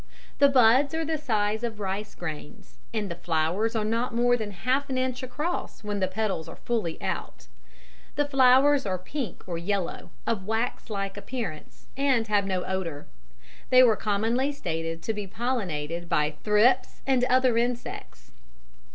The buds are the size of rice grains, and the flowers are not more than half an inch across when the petals are fully out. The flowers are pink or yellow, of wax like appearance, and have no odour. They were commonly stated to be pollinated by thrips and other insects.